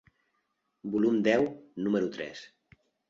Volum deu, número tres.